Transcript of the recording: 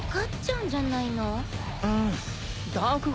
うん。